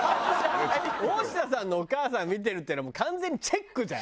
大下さんのお母さん見てるっていうのもう完全にチェックじゃん。